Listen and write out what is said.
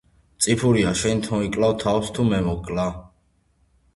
წიფურია შენით მოიკლავ თავს თუ მე მოგკლა?